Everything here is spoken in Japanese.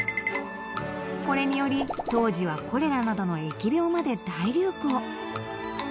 これにより当時はコレラなどの疫病まで大流行